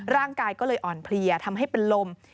ร่างกายก็เลยอ่อนเพลียทำให้เป็นลม